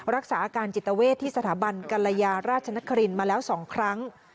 รักษาอาการจิตเวทที่สถาบันกรยาราชนครินมาแล้ว๒ครั้ง